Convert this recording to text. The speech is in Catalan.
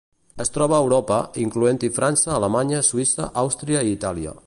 Es troba a Europa, incloent-hi França, Alemanya, Suïssa, Àustria i Itàlia.